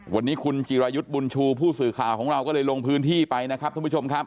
วันนี้คุณจิรายุทธ์บุญชูผู้สื่อข่าวของเราก็เลยลงพื้นที่ไปนะครับท่านผู้ชมครับ